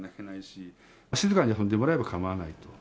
静かに遊んでもらえれば構わないと。